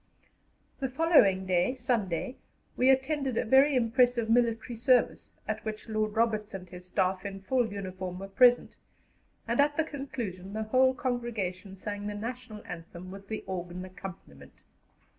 The following day, Sunday, we attended a very impressive military service, at which Lord Roberts and his Staff, in full uniform, were present, and at the conclusion the whole congregation sang the National Anthem with the organ accompaniment.